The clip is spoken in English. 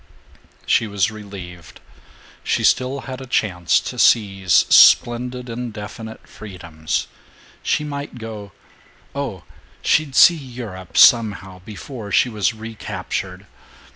She was relieved. She still had a chance to seize splendid indefinite freedoms. She might go oh, she'd see Europe, somehow, before she was recaptured.